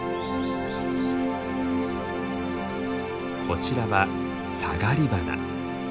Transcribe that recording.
こちらはサガリバナ。